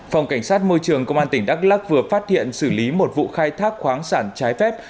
phòng cảnh sát môi trường công an tỉnh đắk lắc vừa phát hiện xử lý một vụ khai thác khoáng sản trái phép